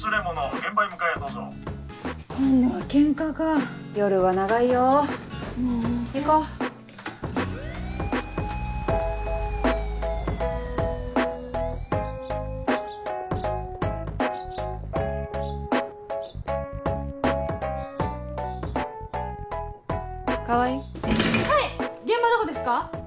現場どこですか？